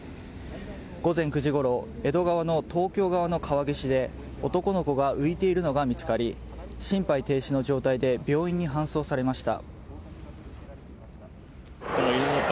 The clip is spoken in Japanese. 午前９時ごろ江戸川の東京側の川岸で男の子が浮いているのが見つかり心肺停止の状態で病院に搬送されました。